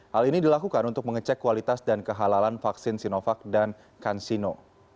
hal ini dilakukan untuk mengecek kualitas dan kehalalan vaksin sinovac dan kansino